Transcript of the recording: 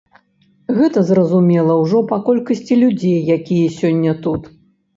Гэта зразумела ўжо па колькасці людзей, якія сёння тут.